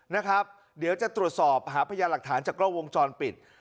นะครับเดี๋ยวจะตรวจสอบหาพยานหลักฐานจากกล้องวงจรปิด